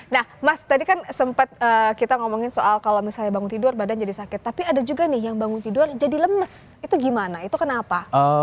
nah mas tadi kan sempat kita ngomongin soal kalau misalnya bangun tidur badan jadi sakit tapi ada juga nih yang bangun tidur jadi lemes itu gimana itu kenapa